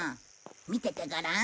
見ててごらん。